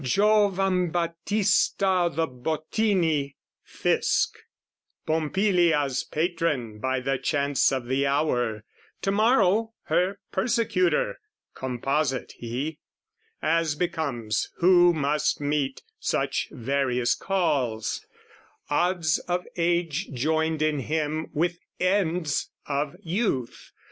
Giovambattista o' the Bottini, Fisc, Pompilia's patron by the chance of the hour, To morrow her persecutor, composite, he, As becomes who must meet such various calls Odds of age joined in him with ends of youth.